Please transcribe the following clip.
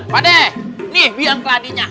pade nih bilang keladinya